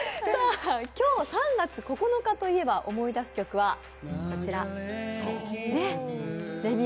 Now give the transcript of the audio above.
今日３月９日といえば、思い出す曲はこちらですね。